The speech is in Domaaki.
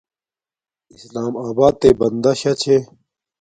اسلام آباتݵ بندہ شا چھے